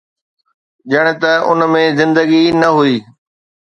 ڄڻ ته ان ۾ زندگي ئي نه هئي.